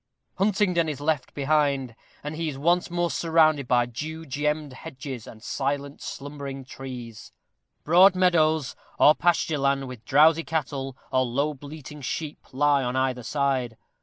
Huntingdon is left behind, and he is once more surrounded by dew gemmed hedges and silent slumbering trees. Broad meadows, or pasture land, with drowsy cattle, or low bleating sheep, lie on either side.